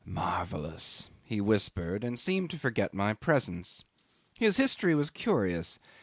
"Marvellous," he whispered, and seemed to forget my presence. His history was curious.